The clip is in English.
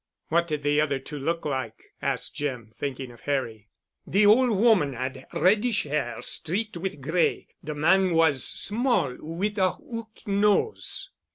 "What did the other two look like?" asked Jim, thinking of Harry. "The old woman had reddish hair streaked with gray—the man was small, with a hooked nose."